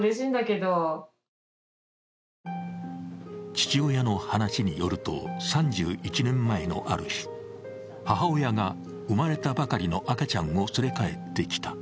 父親の話によると、３１年前のある日、母親が生まれたばかりの赤ちゃんを連れ帰ってきた。